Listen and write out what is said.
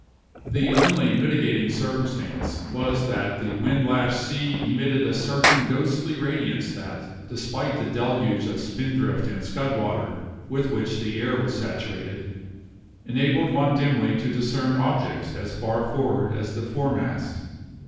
The only mitigating circumstance was that the wind lashed sea emitted a certain ghostly radiance that, despite the deluge of spindrift and scud water with which the air was saturated, enabled one dimly to discern objects as far forward as the foremast.